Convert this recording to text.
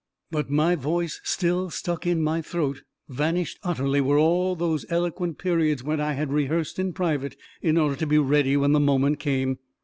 But my voice still stuck in my throat; vanished utterly were all those eloquent periods which I had rehearsed in private, in order to be ready when the moment came.